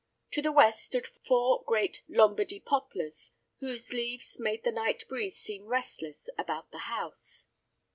To the west stood four great Lombardy poplars whose leaves made the night breeze seem restless about the house.